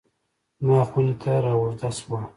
زما خونې ته رااوږده شوه